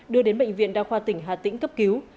đưa đến bệnh viện đa khoa tỉnh hà tĩnh cấp cứu